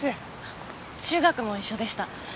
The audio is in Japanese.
中学も一緒でした。